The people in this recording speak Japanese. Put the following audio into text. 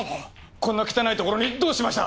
こんな汚いところにどうしました？